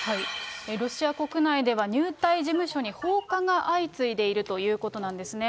ロシア国内では、入隊事務所に放火が相次いでいるということなんですね。